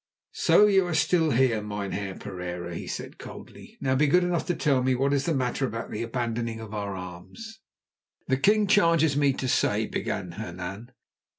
"So you are still here, Mynheer Pereira!" he said coldly. "Now be good enough to tell me, what is this matter about the abandoning of our arms?" "The king charges me to say—" began Hernan.